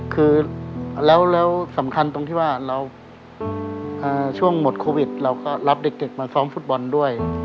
คือแล้วสำคัญตรงที่ว่าเราช่วงหมดโควิดเราก็รับเด็กมาซ้อมฟุตบอลด้วย